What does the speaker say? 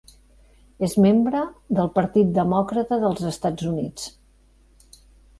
És membre del Partit Demòcrata dels Estats Units.